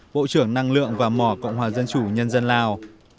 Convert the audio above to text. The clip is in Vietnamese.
bộ trưởng năng lượng và mỏ cộng hòa dân chủ nhân dân lào